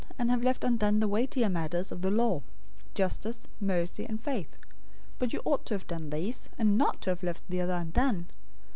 } and have left undone the weightier matters of the law: justice, mercy, and faith. But you ought to have done these, and not to have left the other undone.